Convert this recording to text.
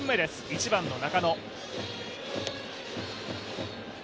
１番の中野。